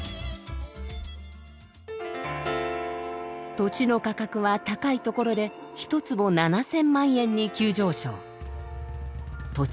土地の価格は高いところで１坪７，０００万円に急上昇。